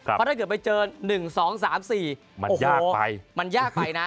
เพราะถ้าเกิดไปเจอ๑๒๓๔โอ้โหมันยากไปนะ